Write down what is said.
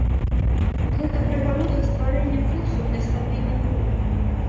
Гэта прывяло да стварэння курсаў для стабільных груп.